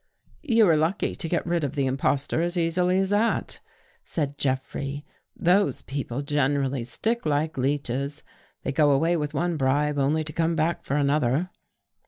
" You were lucky to ge rid of the impostor as easily as that," said Jeffrey. " Those people gen erally stick like leeches. They go away with one bribe only to come back for another."